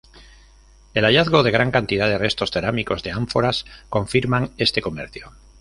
El hallazgo de gran cantidad de restos cerámicos de ánforas confirman este comercio.